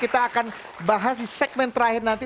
kita akan bahas di segmen terakhir nanti